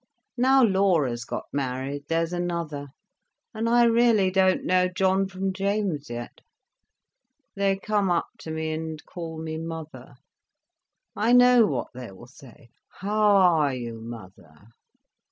"Now Laura's got married, there's another. And I really don't know John from James yet. They come up to me and call me mother. I know what they will say—'how are you, mother?